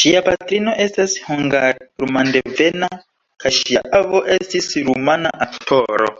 Ŝia patrino estas hungar-rumandevena kaj ŝia avo estis rumana aktoro.